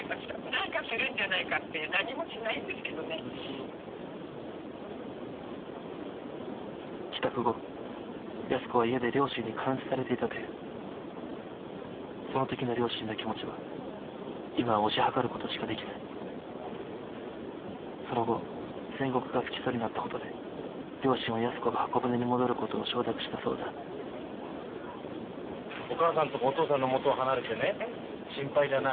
何かするんじゃないかっていう何もしないんですけどね帰宅後安子は家で両親に監視されていたというその時の両親の気持ちは今は推し量ることしかできないその後千石が不起訴になったことで両親は安子が方舟に戻ることを承諾したそうだお母さんとかお父さんのもとを離れてね心配じゃない？